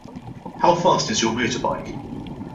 How fast is your motorbike?